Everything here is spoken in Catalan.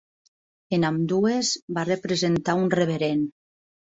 En ambdues, va representar a un reverend.